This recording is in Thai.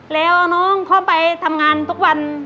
แล้วน้องเขาไปทำงานทุกวัน